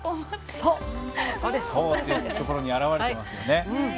そういうところに表れてますよね。